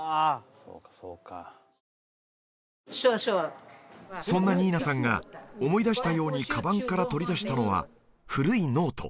そうかそうかそうそうそんなニーナさんが思い出したようにかばんから取り出したのは古いノート